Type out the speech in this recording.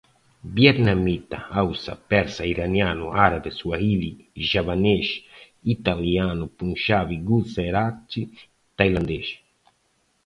Vietnamita, hauçá, persa iraniano, árabe, suaíli, javanês, italiano, punjabi, guzerate, tailandês